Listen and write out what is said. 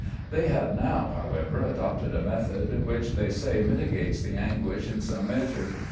"They have now, however, adopted a method which they say mitigates the anguish in some measure.